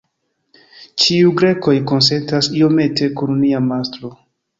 Ĉiuj Grekoj konsentas iomete kun nia mastro.